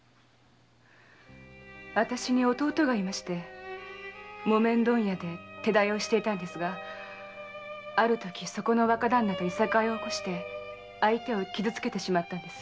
私の弟が木綿問屋で手代をしていたのですがあるとき若旦那と諍いを起こして相手を傷つけてしまったんです。